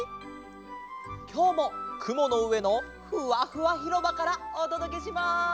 きょうもくものうえのふわふわひろばからおとどけします。